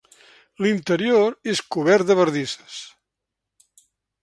L'interior és cobert de bardisses.